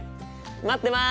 待ってます！